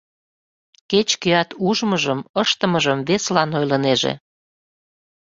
Кеч-кӧат ужмыжым, ыштымыжым весылан ойлынеже.